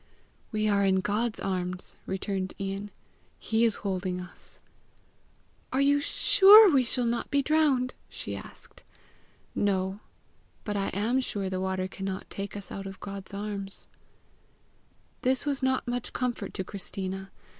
"We are in God's arms," returned Ian. "He is holding us." "Are you sure we shall not be drowned?" she asked. "No; but I am sure the water cannot take us out of God's arms." This was not much comfort to Christina.